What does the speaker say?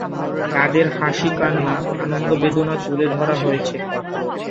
তাদের হাসি-কান্না, আনন্দ-বেদনা তুলে ধরা হয়েছে।